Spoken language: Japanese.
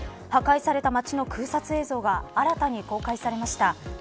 破壊された町の空撮映像が新たに公開されました。